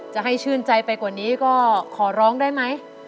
จะให้ชื่นใจไปกว่านี้ก็ขอร้องได้ไหม